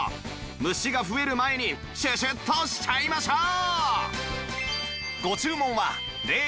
虫が増える前にシュシュッとしちゃいましょう！